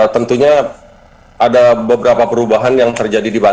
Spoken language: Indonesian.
tentunya ada beberapa perubahan yang terjadi di bandung